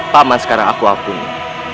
paman sekarang aku ampuni